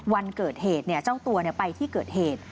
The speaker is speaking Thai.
วันเกิดเหตุเจ้าตัวไปที่เกิดเหตุ